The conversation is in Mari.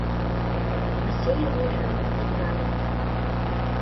— Васлий вуйжым удырале.